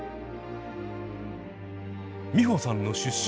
美穂さんの出身。